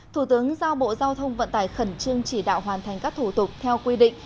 thủ tướng giao bộ giao thông vận tải khẩn trương chỉ đạo hoàn thành các thủ tục theo quy định